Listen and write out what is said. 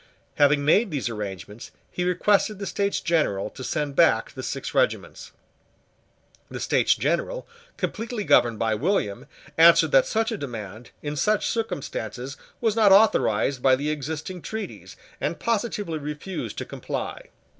Having made these arrangements, he requested the States General to send back the six regiments. The States General, completely governed by William, answered that such a demand, in such circumstances, was not authorised by the existing treaties, and positively refused to comply.